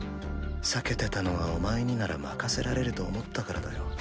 避けてたのはお前になら任せられると思ったからだよ。